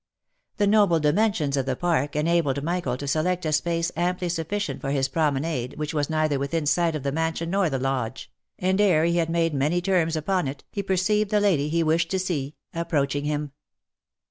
The noble dimensions of the park enabled Michael to select a space amply sufficient for his promenade which was neither within sight of the mansion nor the lodge, and ere he had made many turns upon it, he perceived the lady he wished to see, approaching him.